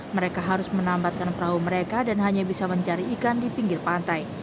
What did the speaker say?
mereka harus menambatkan perahu mereka dan hanya bisa mencari ikan di pinggir pantai